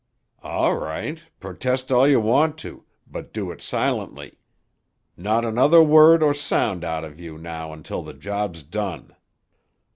"All right. Protest all you want to, but do it silently. Not another word or sound out of you now until the job's done."